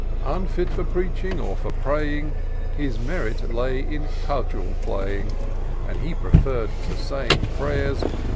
Unfit for preaching or for praying. His merit lay in cudgel playing : And he preferr'd, to sajdng prayers.